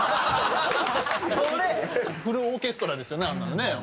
フルオーケストラですよねあんなのね。